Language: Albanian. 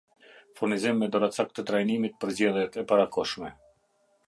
Furnizim me doracak të trajnimit për zgjedhjet e parakohshme